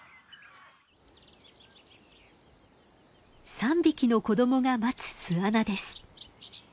３匹の子供が待つ巣穴です。